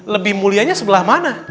lebih mulianya sebelah mana